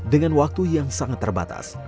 dengan waktu yang sangat terbatas